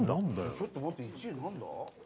ちょっと待って１位何だ？